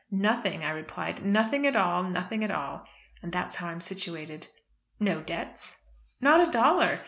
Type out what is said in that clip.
'Nothing,' I replied, 'nothing at all; nothing at all.' And that's how I am situated." "No debts?" "Not a dollar.